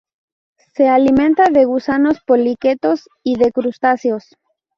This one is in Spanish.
Se alimenta de gusanos poliquetos y de crustáceos.